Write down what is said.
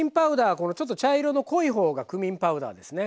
このちょっと茶色の濃い方がクミンパウダーですね。